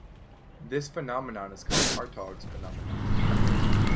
This phenomenon is called Hartogs' phenomenon.